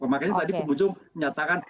makanya tadi penghujung menyatakan